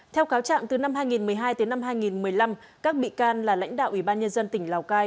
theo cáo trạng từ năm hai nghìn một mươi hai đến năm hai nghìn một mươi năm các bị can là lãnh đạo ủy ban nhân dân tỉnh lào cai